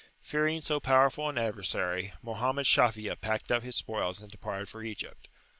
Fearing so powerful an adversary, Mohammed Shafi'a packed up his spoils and departed for Egypt.